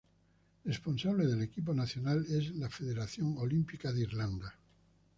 Responsable del equipo nacional es la Federación Olímpica de Irlanda.